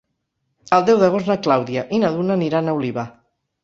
El deu d'agost na Clàudia i na Duna aniran a Oliva.